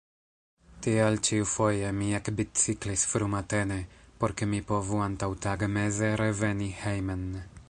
Tial ĉiufoje mi ekbiciklis frumatene, por ke mi povu antaŭtagmeze reveni hejmen.